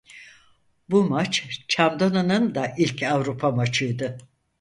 Bu maç Çamdalı'nın da ilk Avrupa maçıydı.